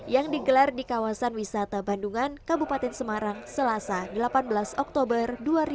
yang digelar di kawasan wisata bandungan kabupaten semarang selasa delapan belas oktober dua ribu dua puluh